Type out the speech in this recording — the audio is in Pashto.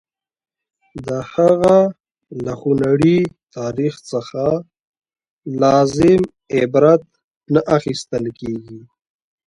د هغه له خونړي تاریخ څخه لازم عبرت نه اخیستل کېږي.